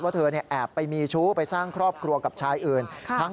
เธอแอบไปมีชู้ไปสร้างครอบครัวกับชายอื่น